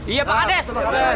iya pak ades